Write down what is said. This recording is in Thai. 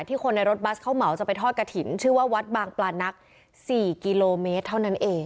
คนในรถบัสเขาเหมาจะไปทอดกระถิ่นชื่อว่าวัดบางปลานัก๔กิโลเมตรเท่านั้นเอง